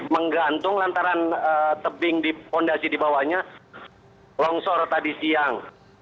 menggantung lantaran tebing di fondasi di bawahnya longsor tadi siang